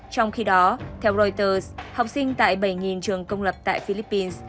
trong khi đó theo reuters học sinh tại bảy trường công lập tại philippines